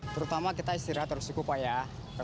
terutama kita istirahat harus cukup pak ya